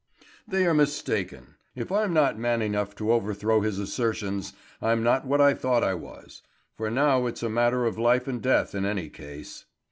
"They are mistaken. If I'm not man enough to overthrow his assertions, I'm not what I thought I was; for now it's a matter of life and death in any case."